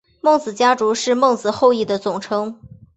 孟子家族是孟子后裔的总称。